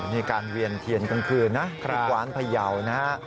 นี่การเวียนเทียนกลางคืนนะที่กวานพยาวนะฮะ